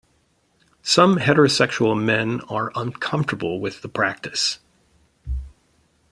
Some heterosexual men are uncomfortable with the practice.